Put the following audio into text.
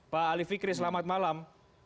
pak ali fikri selamat malam